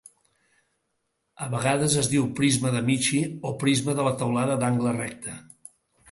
A vegades es diu prisma d'Amici o prisma de la teulada d'angle recte.